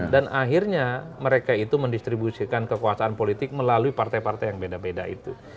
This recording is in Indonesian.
dan akhirnya mereka itu mendistribusikan kekuasaan politik melalui partai partai yang beda beda itu